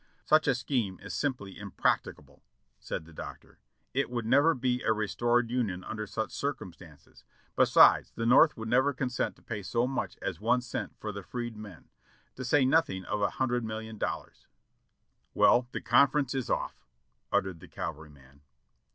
"Such a scheme is simply impracticable," said the Doctor. "It w^ould never be a restored Union under such circumstances; besides, the North would never consent to pay so much as one cent for the freedmen, to say nothing of a hundred million dollars." "Well, the conference is off!" uttered the cavalryman.